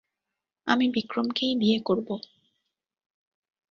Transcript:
আমি বিক্রমকেই বিয়ে করব।